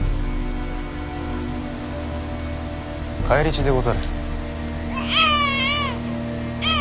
返り血でござる。